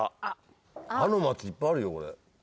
「あ」の街いっぱいあるよこれ。